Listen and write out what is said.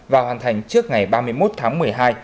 và hoàn thành trước ngày ba mươi một tháng một mươi hai